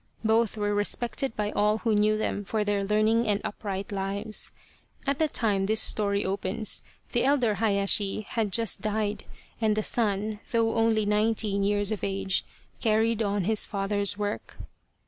Both were respected by all who knew them for their learning and upright lives. At the time this story opens the elder Hayashi had just died and the son, though only nineteen years of age, carried on his father's work.